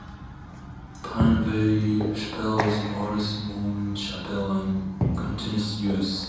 Pine Valley Chapel is the oldest Mormon chapel in continuous use.